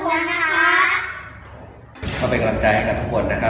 ก็เป็นกำลังใจให้กันทุกคนนะคะ